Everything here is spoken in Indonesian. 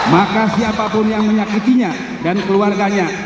maka siapapun yang menyakitinya dan keluarganya